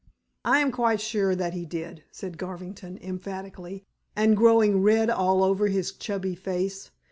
"I am quite sure that he did," said Garvington emphatically, and growing red all over his chubby face.